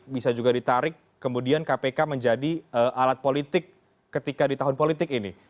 bisa juga ditarik kemudian kpk menjadi alat politik ketika di tahun politik ini